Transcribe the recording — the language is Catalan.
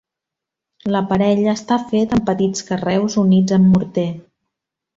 L'aparell està fet amb petits carreus units amb morter.